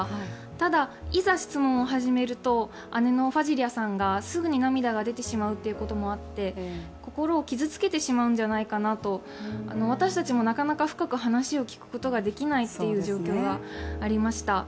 ただいざ質問を始めると、姉のファジリャさんがすぐに涙が出てしまうということもあって心を傷つけてしまうんではないかなと、私たちもなかなか深く話を聞くことができないという状況がありました。